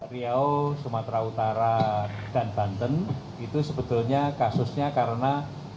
riau sumatera utara dan banten itu sebetulnya kasusnya karena